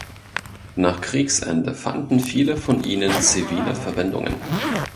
Nach Kriegsende fanden viele von ihnen zivile Verwendungen.